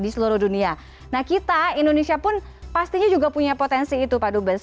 terima kasih pak dubes